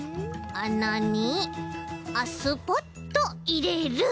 あなにスポッといれる。